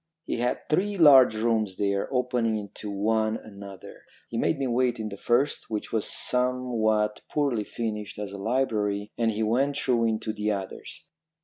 He had three large rooms there, opening into one another. He made me wait in the first, which was somewhat poorly furnished as a library, and he went through into the others.